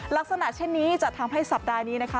ลักษณะเช่นนี้จะทำให้สัปดาห์นี้นะคะ